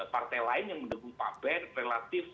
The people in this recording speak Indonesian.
partai lain yang mendukung pak ben relatif